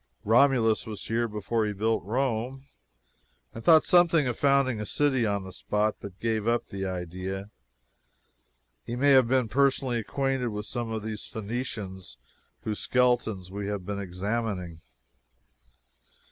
Romulus was here before he built Rome, and thought something of founding a city on this spot, but gave up the idea. He may have been personally acquainted with some of these Phoenicians whose skeletons we have been examining.